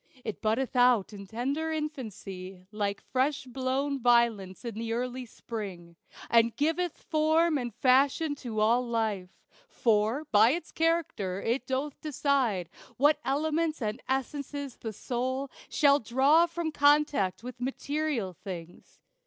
It buddeth out in tender infancy, Like fresh blown violets in the early spring, And giveth form and fashion to all life. For, by its character, it doth decide What elements and essences the soul Shall draw from contact with material things.